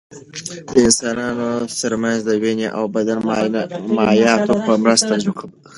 د انسانانو تر منځ د وینې او بدن مایعاتو په مرسته خپرېږي.